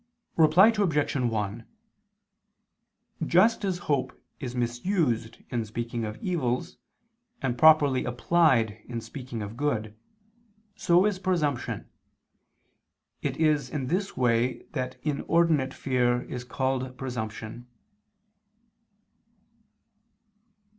Reply Obj. 1: Just as hope is misused in speaking of evils, and properly applied in speaking of good, so is presumption: it is in this way that inordinate fear is called presumption.